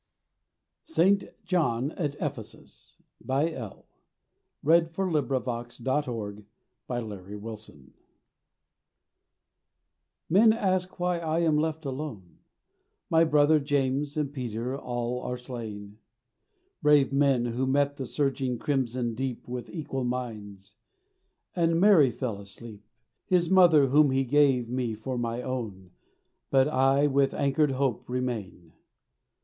cross my face, And I will play the man. XXXVIII SAINT JOHN AT EPHESUS MEN ask why I am left alone: My brother, James, and Peter, all are slain; Brave men who met the surging crimson deep With equal minds. And Mary fell asleep, His mother whom He gave me for my own. But I with anchored hope remain.